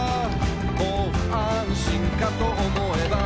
「もう安心かと思えば」